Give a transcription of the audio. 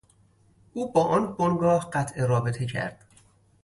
او با آن بنگاه قطع رابطه کرد.